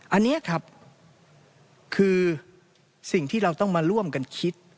อันนี้ครับคือสิ่งที่เราต้องมาร่วมกันคิด